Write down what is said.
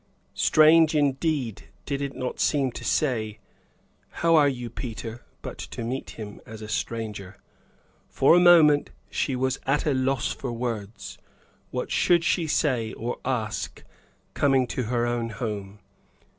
Strange, indeed, did it seem not to say, "How are you, Peter?" but to meet him as a stranger. For a moment, she was at a loss for words; what should she say, or ask, coming to her own home?